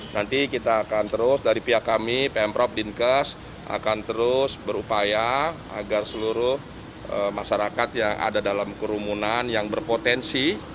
nanti kita akan terus dari pihak kami pemprov dinkes akan terus berupaya agar seluruh masyarakat yang ada dalam kerumunan yang berpotensi